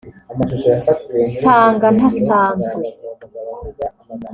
nsanga ntasanzwe